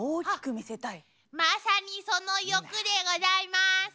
まさにその欲でございます。